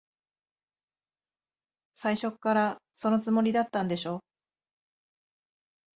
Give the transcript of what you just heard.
最初っから、そのつもりだったんでしょ。